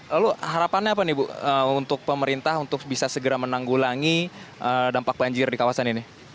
lalu harapannya apa nih bu untuk pemerintah untuk bisa segera menanggulangi dampak banjir di kawasan ini